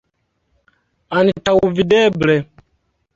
Antaŭvideble.